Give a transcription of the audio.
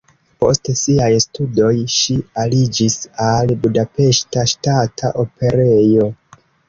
Post siaj studoj ŝi aliĝis al Budapeŝta Ŝtata Operejo.